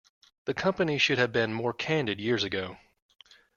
The company should have been more candid years ago.